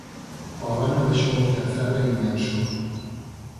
O abano de xogos de azar é inmenso.